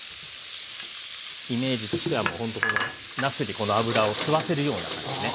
イメージとしてはもうほんとなすにこの脂を吸わせるような感じね。